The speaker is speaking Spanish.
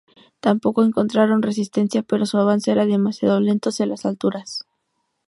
Tampoco encontraron resistencia, pero su avance era demasiado lento hacia las alturas.